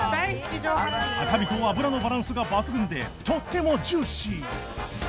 赤身と脂のバランスが抜群でとってもジューシー！